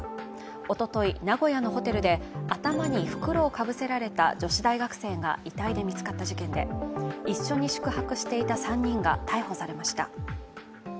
おととい、名古屋のホテルで頭に袋をかぶせられた女子大学生が遺体で見つかった事件で、一緒に宿泊していた３人が逮捕されました。